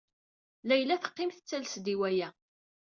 Layla teqqim tettales-d i waya.